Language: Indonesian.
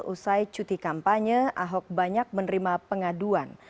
usai cuti kampanye ahok banyak menerima pengaduan